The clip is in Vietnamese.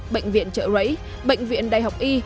bệnh viện trợ rẫy bệnh viện đại học y